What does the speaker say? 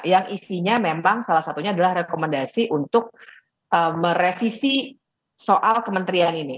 yang isinya memang salah satunya adalah rekomendasi untuk merevisi soal kementerian ini